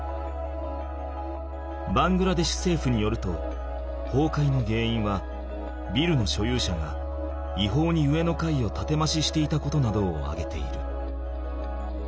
バングラデシュせいふによるとほうかいのげんいんはビルの所有者がいほうに上の階をたてまししていたことなどをあげている。